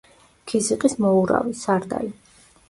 ქიზიყის მოურავი, სარდალი.